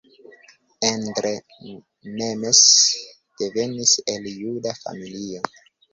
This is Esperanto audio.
Endre Nemes devenis el juda familio.